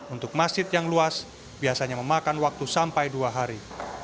untuk masjid yang luas biasanya memakan waktu sampai dua hari